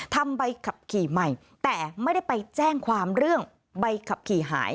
แต่ไม่ได้ไปแจ้งความเรื่องใบขับขี่หาย